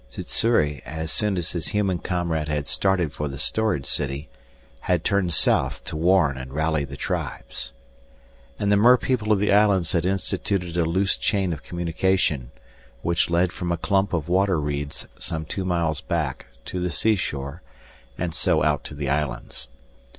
Sssuri, as soon as his human comrade had started for the storage city, had turned south to warn and rally the tribes. And the merpeople of the islands had instituted a loose chain of communication, which led from a clump of water reeds some two miles back to the seashore, and so out to the islands.